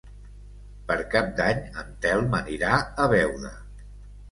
Per Cap d'Any en Telm anirà a Beuda.